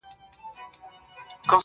ځكه ځوانان ورانوي ځكه يې زړگي ورانوي~